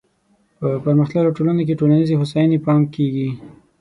په پرمختللو ټولنو کې ټولنیزې هوساینې پام کیږي.